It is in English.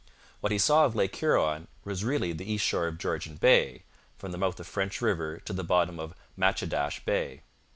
What he saw of Lake Huron was really the east shore of Georgian Bay, from the mouth of French River to the bottom of Matchedash Bay.